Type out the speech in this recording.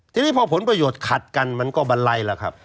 ทีนี้พอผลประโยชน์ขัดกันมันก็บันไลล่ะครับ